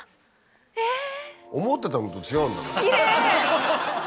思ってたのと違うんだけど。